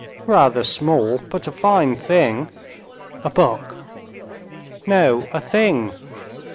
"Rather small, but a fine thing." "A book." "No, a thing.